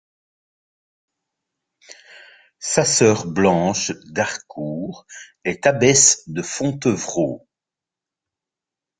Sa sœur Blanche d’Harcourt est abbesse de Fontevraud.